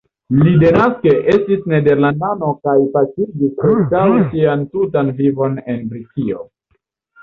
Li denaske estis nederlandano kaj pasigis preskaŭ sian tutan vivon en Britio.